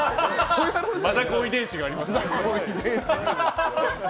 マザコン遺伝子がありますので。